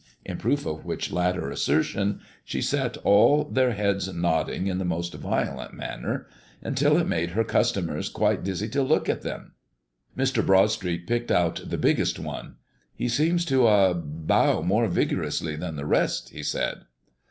in proof of which latter assertion she set all their heads nodding in the most violent manner, until it made her customers quite dizzy to look at them. Mr. Broadstreet picked out the biggest one. "He seems to ah bow more vigorously than the rest," he said.